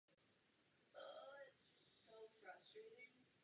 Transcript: Jmenovitě se jedná o Montreal Canadiens a New York Rangers.